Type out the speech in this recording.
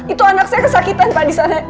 itu anak saya kesakitan pak di sana